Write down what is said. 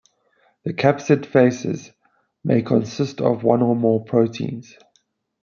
The capsid faces may consist of one or more proteins.